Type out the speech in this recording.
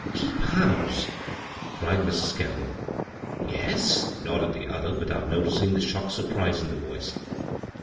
" Keep house !" cried Mrs. Kendall. " Yes," nodded the other, without notidng the shocked surprise in the voice.